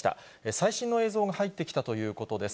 最新の映像が入ってきたということです。